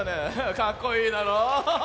かっこいいだろ。